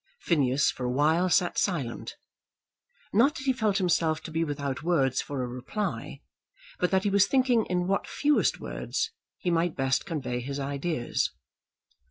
Phineas for awhile sat silent; not that he felt himself to be without words for a reply, but that he was thinking in what fewest words he might best convey his ideas.